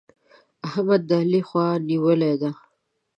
احمد د علي خوا نيولې ده.